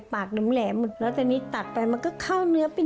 โปรดติดตามตอนต่อไป